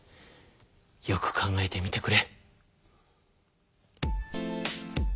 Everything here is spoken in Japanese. よく考えてみてくれ。